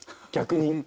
逆に。